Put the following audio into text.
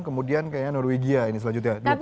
kemudian kayaknya norwegia ini selanjutnya